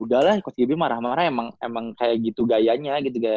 udah lah coach givi marah marah emang kayak gitu gayanya gitu